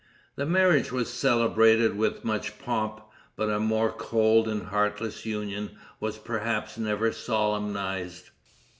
The marriage was celebrated with much pomp; but a more cold and heartless union was perhaps never solemnized.